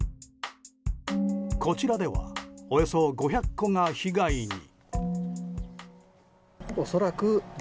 こちらではおよそ５００個が被害に。